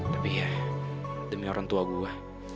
tapi ya demi orang tua gue